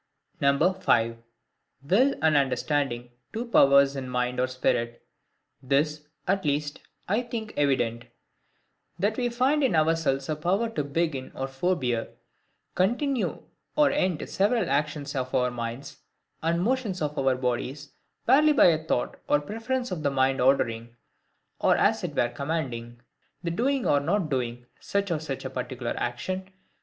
5. Will and Understanding two Powers in Mind or Spirit. This, at least, I think evident,—That we find in ourselves a power to begin or forbear, continue or end several actions of our minds, and motions of our bodies, barely by a thought or preference of the mind ordering, or as it were commanding, the doing or not doing such or such a particular action.